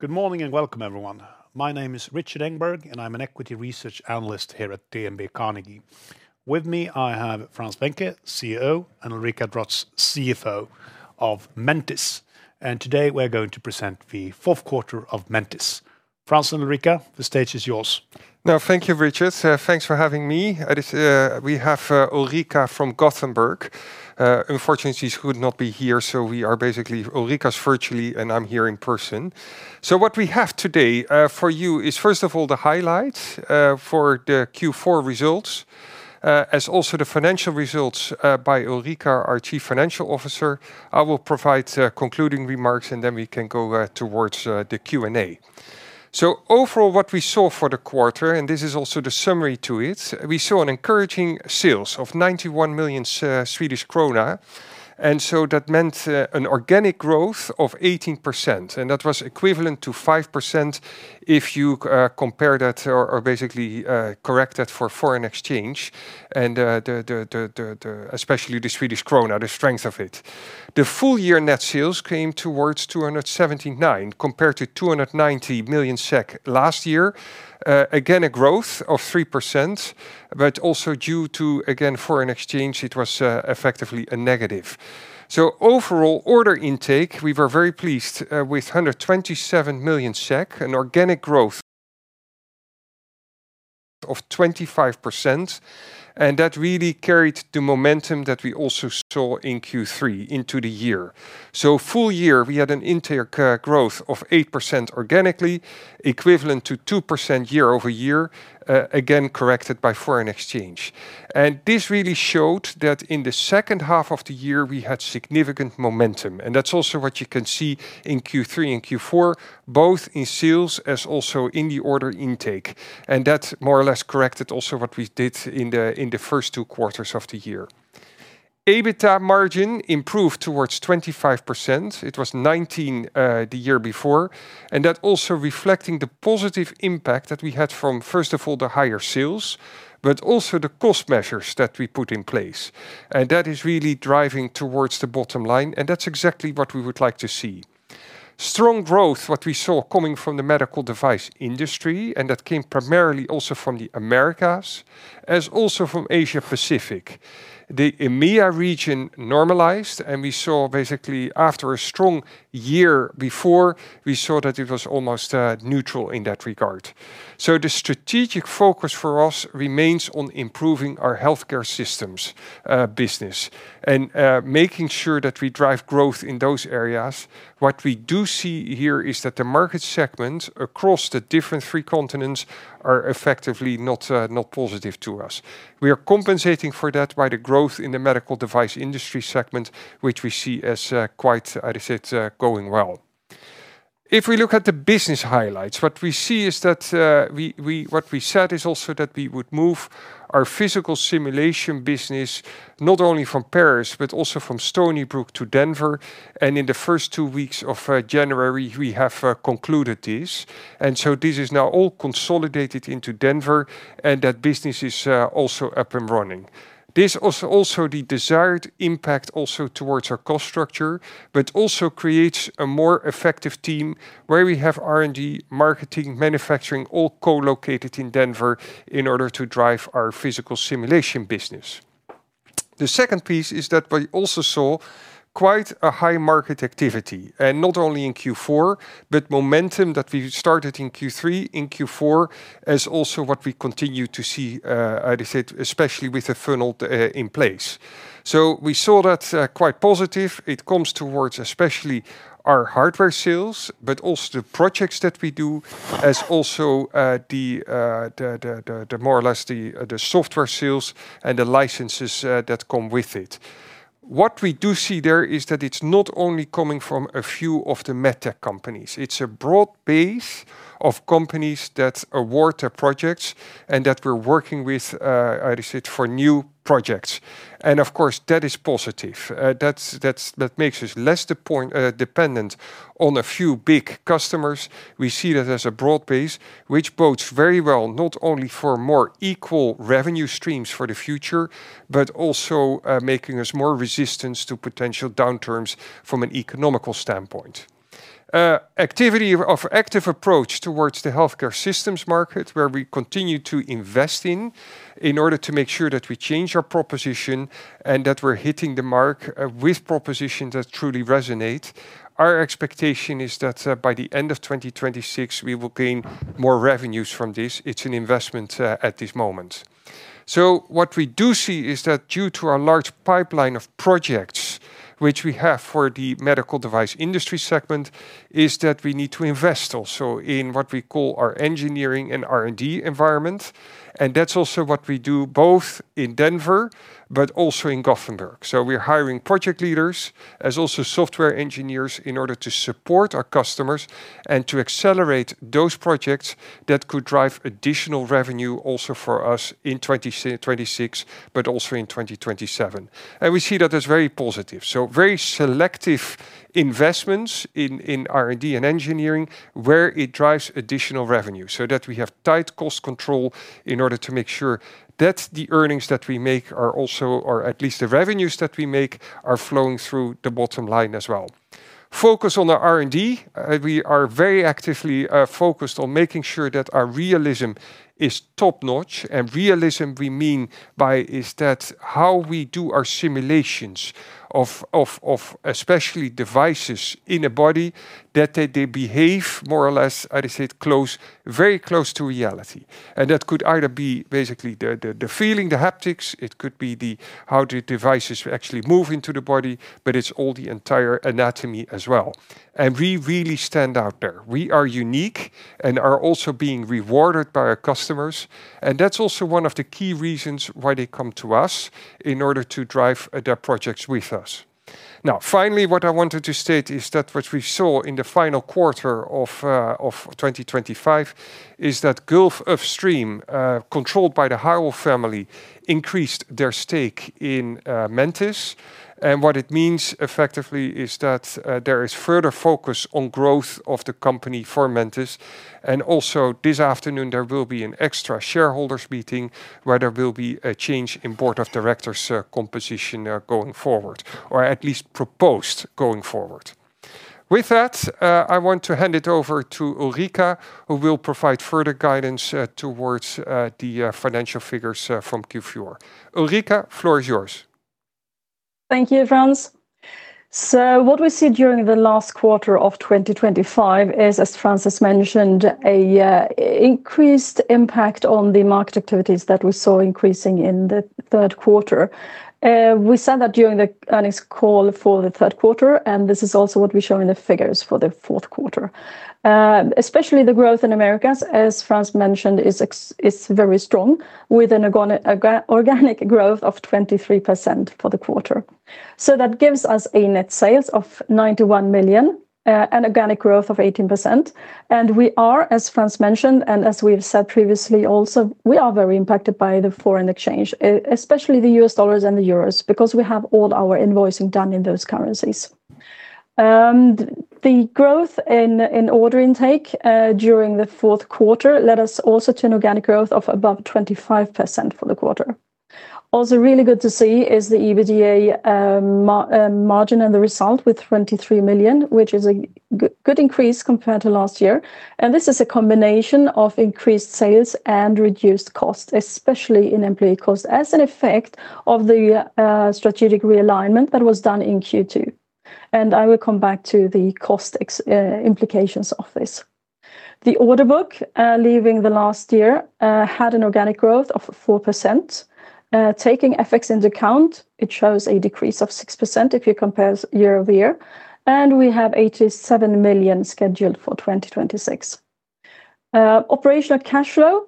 Good morning, and welcome, everyone. My name is Richard Engberg, and I'm an equity research analyst here at DNB Carnegie. With me, I have Frans Venker, CEO, and Ulrika Drotz, CFO of Mentice. Today, we're going to present the fourth quarter of Mentice. Frans and Ulrika, the stage is yours. Thank you, Richard. Thanks for having me. We have Ulrika from Gothenburg. Unfortunately, she could not be here, so we are basically Ulrika's virtually, and I'm here in person. What we have today for you is, first of all, the highlights for the Q4 results, as also the financial results by Ulrika, our Chief Financial Officer. I will provide concluding remarks, and then we can go towards the Q&A. Overall, what we saw for the quarter, and this is also the summary to it, we saw an encouraging sales of 91 million Swedish krona, that meant an organic growth of 18%, and that was equivalent to 5% if you compare that or basically correct that for FX and the especially the Swedish krona, the strength of it. The full year net sales came towards 279, compared to 290 million SEK last year. Again, a growth of 3%, but also due to, again, FX, it was effectively a negative. Overall order intake, we were very pleased with 127 million SEK, an organic growth of 25%, and that really carried the momentum that we also saw in Q3 into the year. Full year, we had an entire growth of 8% organically, equivalent to 2% year-over-year, again, corrected by foreign exchange. This really showed that in the second half of the year, we had significant momentum, and that's also what you can see in Q3 and Q4, both in sales as also in the order intake. That's more or less corrected also what we did in the first two quarters of the year. EBITDA margin improved towards 25%. It was 19% the year before, and that also reflecting the positive impact that we had from, first of all, the higher sales, but also the cost measures that we put in place. That is really driving towards the bottom line, and that's exactly what we would like to see. Strong growth, what we saw coming from the medical device industry, and that came primarily also from the Americas, as also from Asia Pacific. The EMEA region normalized, and we saw basically, after a strong year before, we saw that it was almost neutral in that regard. The strategic focus for us remains on improving our healthcare systems business, and making sure that we drive growth in those areas. What we do see here is that the market segments across the different three continents are effectively not not positive to us. We are compensating for that by the growth in the medical device industry segment, which we see as quite, I said, going well. If we look at the business highlights, what we see is that what we said is also that we would move our physical simulation business not only from Paris, but also from Stony Brook to Denver, and in the first two weeks of January, we have concluded this. This is now all consolidated into Denver, and that business is also up and running. This also the desired impact also towards our cost structure, but also creates a more effective team where we have R&D, marketing, manufacturing, all co-located in Denver in order to drive our physical simulation business. The second piece is that we also saw quite a high market activity, not only in Q4, but momentum that we started in Q3, in Q4, is also what we continue to see, I said, especially with the funnel in place. We saw that quite positive. It comes towards especially our hardware sales, but also the projects that we do, as also the more or less the software sales and the licenses that come with it. What we do see there is that it's not only coming from a few of the medtech companies. It's a broad base of companies that award the projects and that we're working with, I said, for new projects. Of course, that is positive. That makes us less dependent on a few big customers. We see that as a broad base, which bodes very well, not only for more equal revenue streams for the future, but also making us more resistant to potential downturns from an economical standpoint. Activity of active approach towards the healthcare systems market, where we continue to invest in order to make sure that we change our proposition and that we're hitting the mark with propositions that truly resonate. Our expectation is that by the end of 2026, we will gain more revenues from this. It's an investment at this moment. What we do see is that due to our large pipeline of projects, which we have for the medical device industry segment, is that we need to invest also in what we call our engineering and R&D environment. That's also what we do, both in Denver, but also in Gothenburg. We're hiring project leaders, as also software engineers, in order to support our customers and to accelerate those projects that could drive additional revenue also for us in 2026, but also in 2027. We see that as very positive. Very selective investments in R&D and engineering, where it drives additional revenue, so that we have tight cost control in order to make sure that the earnings that we make or at least the revenues that we make, are flowing through the bottom line as well. Focus on the R&D, we are very actively focused on making sure that our realism is top-notch. Realism we mean by is that how we do our simulations of especially devices in a body, that they behave more or less, how do you say it? Very close to reality. That could either be basically the feeling, the haptics, it could be the how the devices actually move into the body, but it's all the entire anatomy as well. We really stand out there. We are unique and are also being rewarded by our customers, and that's also one of the key reasons why they come to us in order to drive their projects with us. Finally, what I wanted to state is that what we saw in the final quarter of 2025, is that Gulf Upstream, controlled by the Howell family, increased their stake in Mentice. What it means effectively is that there is further focus on growth of the company for Mentice. Also, this afternoon, there will be an extra shareholders meeting, where there will be a change in board of directors, composition, going forward, or at least proposed going forward. With that, I want to hand it over to Ulrika, who will provide further guidance, towards, the, financial figures, from Q4. Ulrika, floor is yours. Thank you, Frans. What we see during the last quarter of 2025 is, as Frans has mentioned, increased impact on the market activities that we saw increasing in the third quarter. We said that during the earnings call for the third quarter, this is also what we show in the figures for the fourth quarter. Especially the growth in Americas, as Frans mentioned, is very strong, with an organic growth of 23% for the quarter. That gives us a net sales of 91 million and organic growth of 18%. We are, as Frans mentioned, and as we've said previously also, we are very impacted by the foreign exchange, especially the U.S. dollars and the euros, because we have all our invoicing done in those currencies. The growth in order intake, during the fourth quarter led us also to an organic growth of above 25% for the quarter. Also, really good to see is the EBITDA margin and the result with 23 million, which is a good increase compared to last year. This is a combination of increased sales and reduced costs, especially in employee costs, as an effect of the strategic realignment that was done in Q2. I will come back to the cost implications of this. The order book, leaving the last year, had an organic growth of 4%. Taking FX into account, it shows a decrease of 6% if you compare year-over-year, and we have 87 million scheduled for 2026. Operational cash flow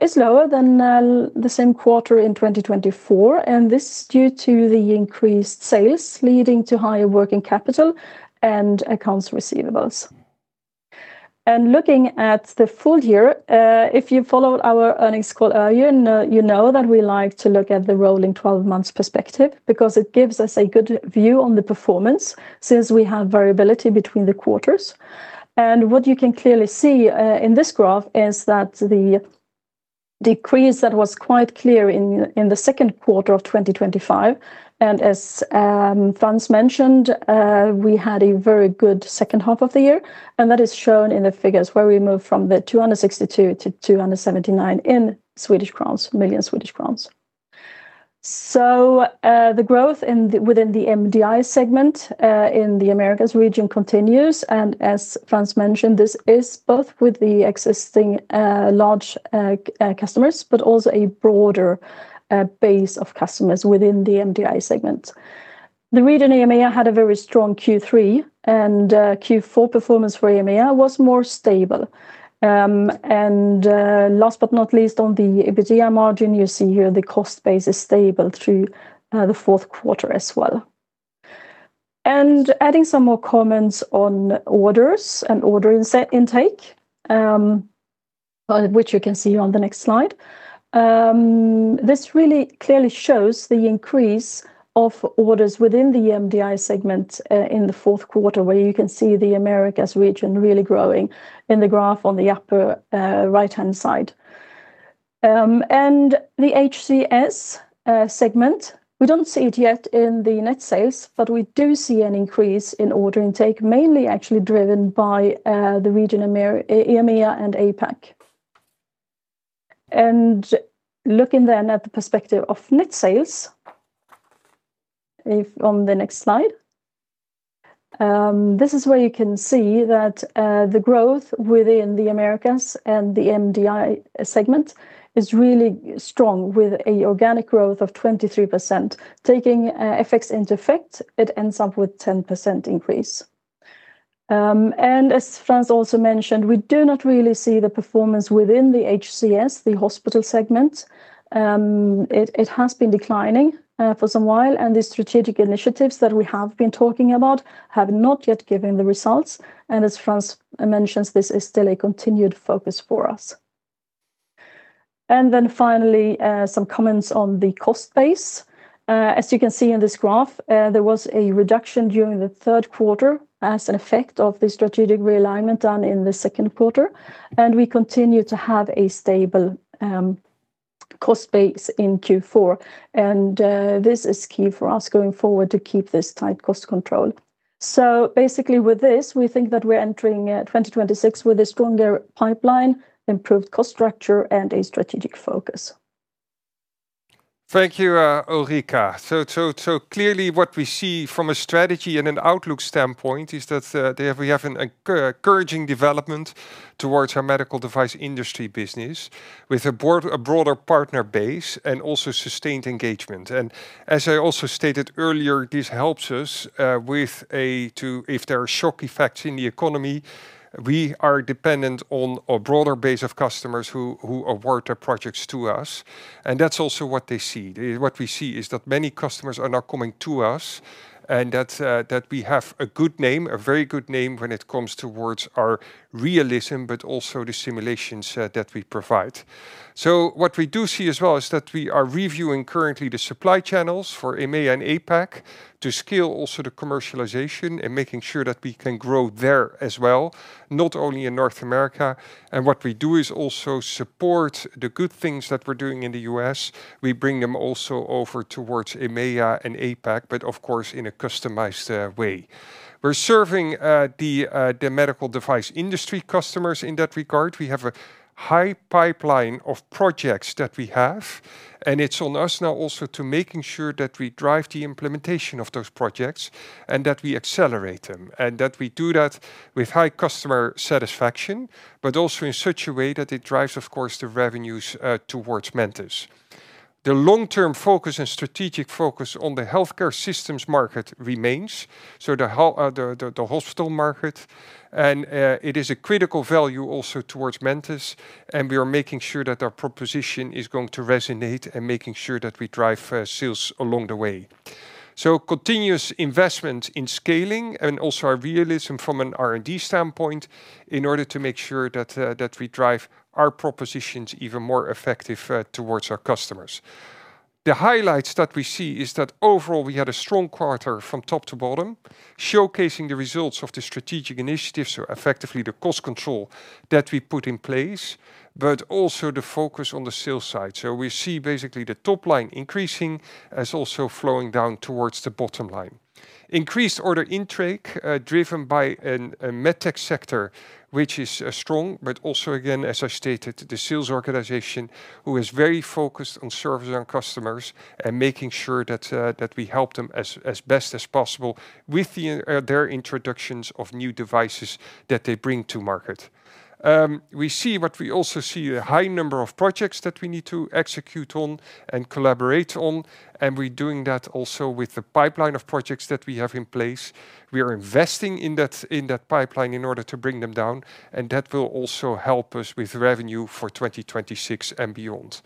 is lower than the same quarter in 2024, and this is due to the increased sales, leading to higher working capital and accounts receivables. Looking at the full year, if you followed our earnings call earlier, you know, you know that we like to look at the rolling 12 months perspective, because it gives us a good view on the performance, since we have variability between the quarters. What you can clearly see in this graph is that the decrease that was quite clear in the second quarter of 2025, and as Frans Venker mentioned, we had a very good second half of the year. That is shown in the figures where we moved from 262 million-279 million Swedish crowns. The growth within the MDI segment in the Americas region continues, and as Frans mentioned, this is both with the existing large customers, but also a broader base of customers within the MDI segment. The region EMEA had a very strong Q3, Q4 performance for EMEA was more stable. Last but not least, on the EBITDA margin, you see here the cost base is stable through the fourth quarter as well. Adding some more comments on orders and order intake, which you can see on the next slide. This really clearly shows the increase of orders within the MDI segment in the fourth quarter, where you can see the Americas region really growing in the graph on the upper right-hand side. The HCS segment, we don't see it yet in the net sales, but we do see an increase in order intake, mainly actually driven by the region EMEA and APAC. Looking then at the perspective of net sales-... if on the next slide, this is where you can see that the growth within the Americas and the MDI segment is really strong, with a organic growth of 23%. Taking effects into effect, it ends up with 10% increase. As Frans also mentioned, we do not really see the performance within the HCS, the hospital segment. It has been declining for some while, the strategic initiatives that we have been talking about have not yet given the results. As Frans mentions, this is still a continued focus for us. Finally, some comments on the cost base. As you can see in this graph, there was a reduction during the third quarter as an effect of the strategic realignment done in the second quarter, and we continue to have a stable cost base in Q4. This is key for us going forward to keep this tight cost control. Basically, with this, we think that we're entering 2026 with a stronger pipeline, improved cost structure, and a strategic focus. Thank you, Ulrika. Clearly, what we see from a strategy and an outlook standpoint is that we have an encouraging development towards our medical device industry business, with a broad, a broader partner base and also sustained engagement. As I also stated earlier, this helps us, if there are shock effects in the economy, we are dependent on a broader base of customers who award their projects to us, and that's also what they see. What we see is that many customers are now coming to us, and that we have a good name, a very good name when it comes towards our realism, but also the simulations that we provide. What we do see as well is that we are reviewing currently the supply channels for EMEA and APAC to scale also the commercialization and making sure that we can grow there as well, not only in North America. What we do is also support the good things that we're doing in the U.S. We bring them also over towards EMEA and APAC, but of course, in a customized way. We're serving the medical device industry customers in that regard. We have a high pipeline of projects that we have, and it's on us now also to making sure that we drive the implementation of those projects and that we accelerate them, and that we do that with high customer satisfaction, but also in such a way that it drives, of course, the revenues towards Mentice. The long-term focus and strategic focus on the healthcare systems market remains, so the hospital market. It is a critical value also towards Mentice, and we are making sure that our proposition is going to resonate and making sure that we drive sales along the way. Continuous investment in scaling and also our realism from an R&D standpoint in order to make sure that we drive our propositions even more effective towards our customers. The highlights that we see is that overall, we had a strong quarter from top to bottom, showcasing the results of the strategic initiatives, so effectively the cost control that we put in place, but also the focus on the sales side. We see basically the top line increasing as also flowing down towards the bottom line. Increased order intake, driven by a MedTech sector, which is strong, also again, as I stated, the sales organization, who is very focused on serving our customers and making sure that we help them as best as possible with their introductions of new devices that they bring to market. We also see a high number of projects that we need to execute on and collaborate on, we're doing that also with the pipeline of projects that we have in place. We are investing in that pipeline in order to bring them down, that will also help us with revenue for 2026 and beyond.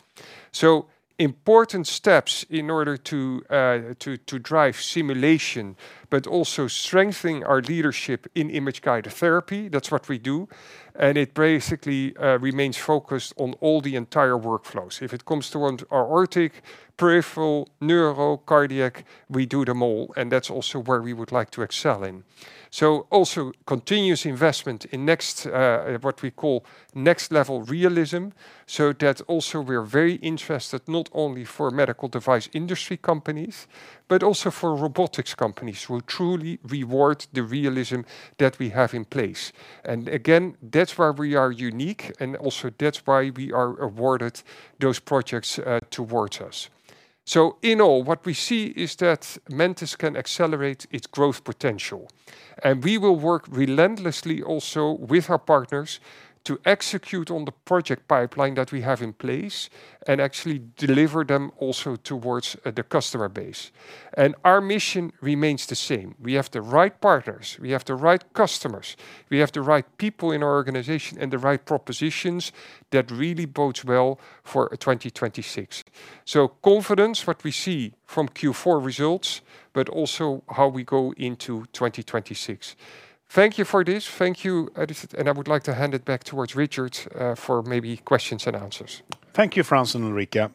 Important steps in order to drive simulation, also strengthening our leadership in image-guided therapy. That's what we do. It basically remains focused on all the entire workflows. If it comes towards our aortic, peripheral, neuro, cardiac, we do them all. That's also where we would like to excel in. Also, continuous investment in next, what we call next-level realism, so that also we are very interested, not only for medical device industry companies, but also for robotics companies, will truly reward the realism that we have in place. Again, that's where we are unique, and also that's why we are awarded those projects towards us. In all, what we see is that Mentice can accelerate its growth potential, and we will work relentlessly also with our partners to execute on the project pipeline that we have in place and actually deliver them also towards the customer base. Our mission remains the same. We have the right partners. We have the right customers. We have the right people in our organization and the right propositions that really bodes well for 2026. Confidence, what we see from Q4 results, but also how we go into 2026. Thank you for this. Thank you. I would like to hand it back towards Richard for maybe questions and answers. Thank you, Frans and Ulrika.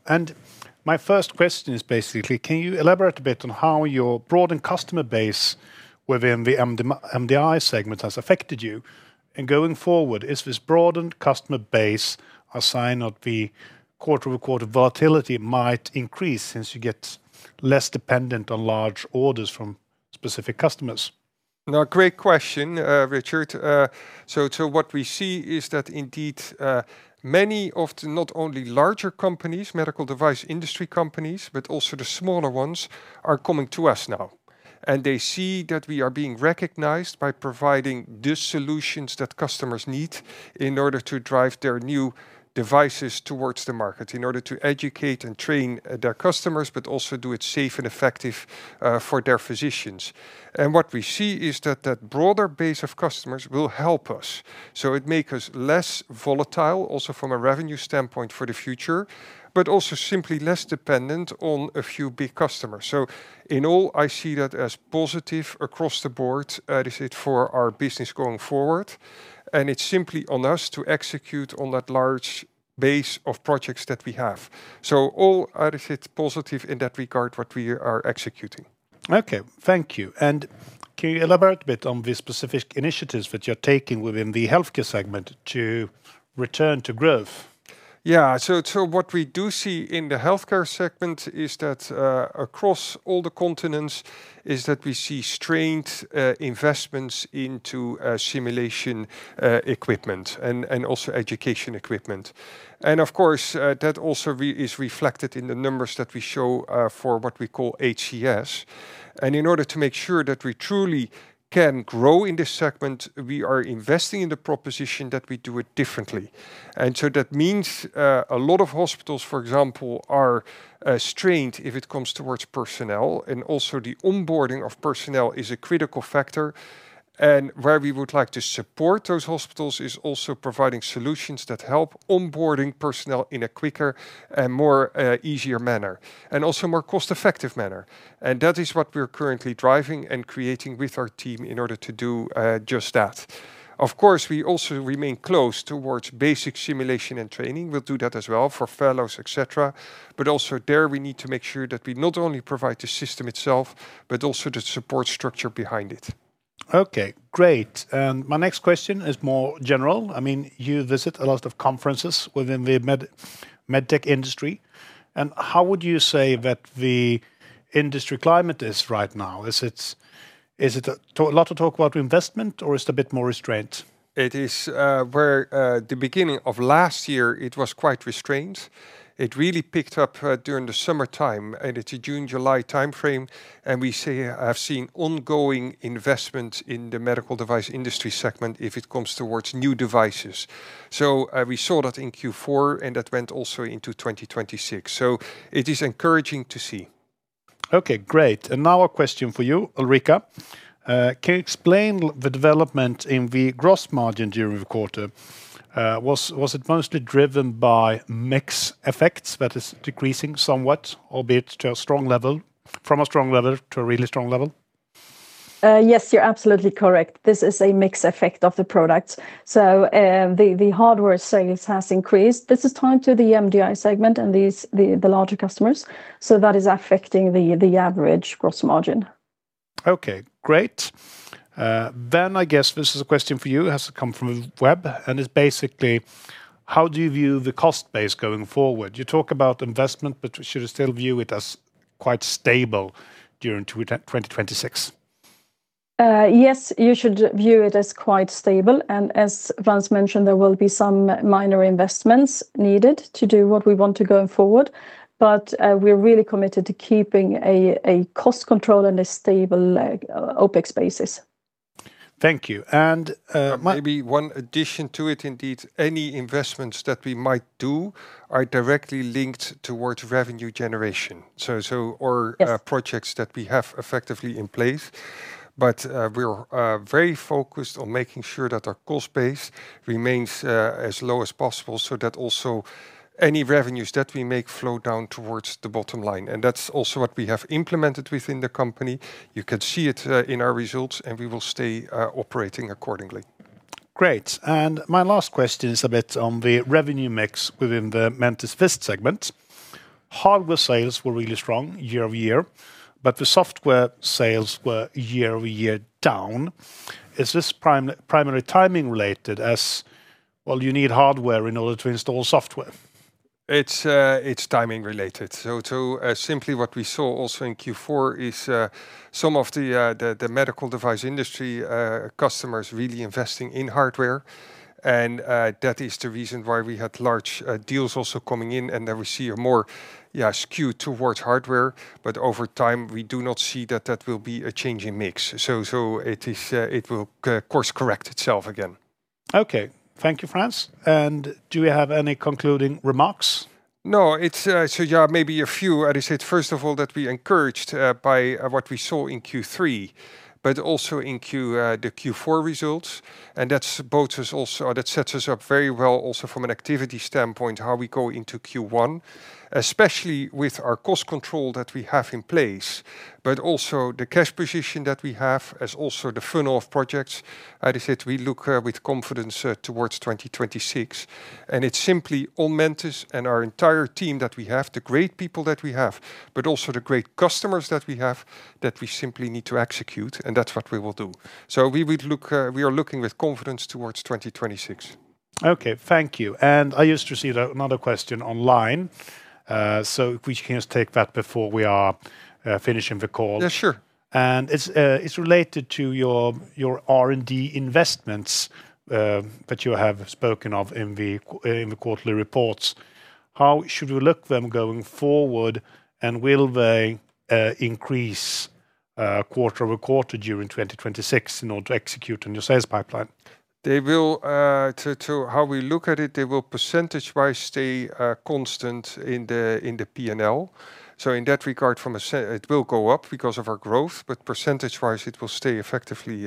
My first question is, basically, can you elaborate a bit on how your broadened customer base within the MDI segment has affected you? Going forward, is this broadened customer base a sign that the quarter-over-quarter volatility might increase since you get less dependent on large orders from specific customers? Now, great question, Richard. What we see is that indeed, many of the not only larger companies, medical device industry companies, but also the smaller ones, are coming to us now. They see that we are being recognized by providing the solutions that customers need in order to drive their new devices towards the market, in order to educate and train their customers, but also do it safe and effective for their physicians. What we see is that that broader base of customers will help us, so it make us less volatile also from a revenue standpoint for the future, but also simply less dependent on a few big customers. In all, I see that as positive across the board, I said, for our business going forward, and it's simply on us to execute on that large base of projects that we have. All, I would say, it's positive in that regard what we are executing. Okay, thank you. Can you elaborate a bit on the specific initiatives that you're taking within the healthcare segment to return to growth? Yeah. What we do see in the healthcare segment is that, across all the continents, is that we see strength, investments into, simulation, equipment, and also education equipment. Of course, that also is reflected in the numbers that we show, for what we call HCS. In order to make sure that we truly can grow in this segment, we are investing in the proposition that we do it differently. That means, a lot of hospitals, for example, are, strained if it comes towards personnel, and also the onboarding of personnel is a critical factor. Where we would like to support those hospitals is also providing solutions that help onboarding personnel in a quicker and more, easier manner, and also more cost-effective manner. That is what we're currently driving and creating with our team in order to do just that. Of course, we also remain close towards basic simulation and training. We'll do that as well for fellows, et cetera. Also there, we need to make sure that we not only provide the system itself, but also the support structure behind it. Okay, great. My next question is more general. I mean, you visit a lot of conferences within the MedTech industry, how would you say that the industry climate is right now? Is it a lot of talk about investment, or is it a bit more restrained? It is where the beginning of last year, it was quite restrained. It really picked up during the summertime, and it's a June-July timeframe, and we have seen ongoing investment in the medical device industry segment if it comes towards new devices. We saw that in Q4, and that went also into 2026. It is encouraging to see. Okay, great. Now a question for you, Ulrika. Can you explain the development in the gross margin during the quarter? Was it mostly driven by mix effects that is decreasing somewhat, albeit to a strong level, from a strong level to a really strong level? Yes, you're absolutely correct. This is a mix effect of the products. The hardware sales has increased. This is tied to the MDI segment and these, the larger customers, so that is affecting the average gross margin. Okay, great. I guess this is a question for you. It has come from the web, it's basically, how do you view the cost base going forward? You talk about investment, should we still view it as quite stable during 2026? Yes, you should view it as quite stable, as Frans Venker mentioned, there will be some minor investments needed to do what we want to going forward. We're really committed to keeping a cost control and a stable OpEx basis. Thank you. Maybe one addition to it, indeed, any investments that we might do are directly linked towards revenue generation. Yes... or, projects that we have effectively in place. We're very focused on making sure that our cost base remains as low as possible, so that also any revenues that we make flow down towards the bottom line. That's also what we have implemented within the company. You can see it in our results. We will stay operating accordingly. Great. My last question is a bit on the revenue mix within the Mentice VIST segment. Hardware sales were really strong year-over-year, but the software sales were year-over-year down. Is this primary timing related, as, well, you need hardware in order to install software? It's timing related. Simply what we saw also in Q4 is some of the medical device industry customers really investing in hardware, and that is the reason why we had large deals also coming in, and then we see a more, yeah, skew towards hardware. Over time, we do not see that that will be a changing mix. It is. It will course-correct itself again. Okay. Thank you, Frans. Do you have any concluding remarks? No, it's. Yeah, maybe a few. I would say, first of all, that we encouraged by what we saw in Q3, but also in Q4 results, that sets us up very well also from an activity standpoint, how we go into Q1, especially with our cost control that we have in place, but also the cash position that we have as also the fun off projects. I'd say we look with confidence towards 2026. It's simply all Mentice and our entire team that we have, the great people that we have, but also the great customers that we have, that we simply need to execute. That's what we will do. We are looking with confidence towards 2026. Okay, thank you. I just received another question online, so if we can just take that before we are finishing the call. Yeah, sure. It's related to your R&D investments that you have spoken of in the quarterly reports. How should we look them going forward, and will they increase quarter-over-quarter during 2026 in order to execute on your sales pipeline? They will to how we look at it, they will percentage-wise stay constant in the P&L. In that regard, from a it will go up because of our growth, but percentage-wise, it will stay effectively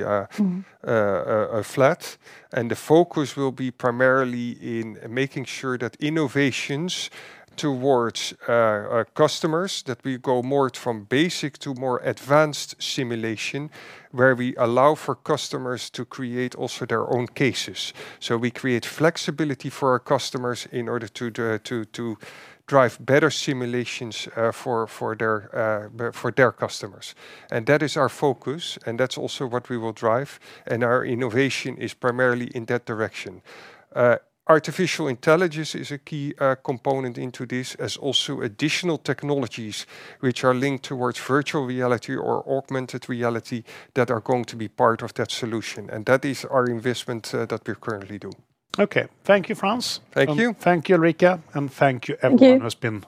flat. The focus will be primarily in making sure that innovations towards our customers, that we go more from basic to more advanced simulation, where we allow for customers to create also their own cases. We create flexibility for our customers in order to drive better simulations for their for their customers. That is our focus, and that's also what we will drive, and our innovation is primarily in that direction. Artificial intelligence is a key component into this, as also additional technologies, which are linked towards virtual reality or augmented reality, that are going to be part of that solution. That is our investment that we currently do. Okay. Thank you, Frans. Thank you. Thank you, Ulrika, and thank you. Thank you.... everyone.